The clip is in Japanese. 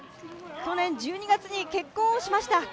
去年１２月に結婚しました。